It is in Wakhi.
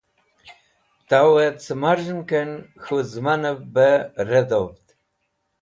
Tawẽ cẽ mẽrz̃hkẽn k̃hũ zẽmanẽv be redhovd.